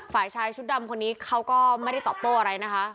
ฝ่ายชายชุดดำคนนี้เขาก็ไม่ได้ตอบโต้อะไรนะคะ